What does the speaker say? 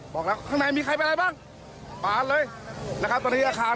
บอกแล้วข้างในมีใครเป็นอะไรบ้างปาดเลยนะครับ